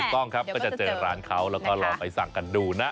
ต้องครับก็จะเจอร้านเขาแล้วก็ลองไปสั่งกันดูนะ